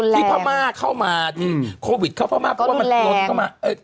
พม่าเข้ามาที่โควิดเข้าพม่าเพราะว่ามันลดเข้ามา